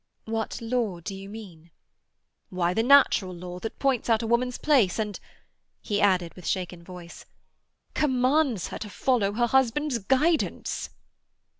"What law do you mean?" "Why, the natural law that points out a woman's place, and"—he added, with shaken voice—"commands her to follow her husband's guidance."